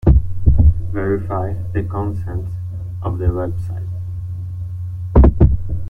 Verify the contents of the website.